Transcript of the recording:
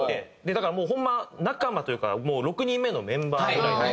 だからホンマ仲間というかもう６人目のメンバーみたいな。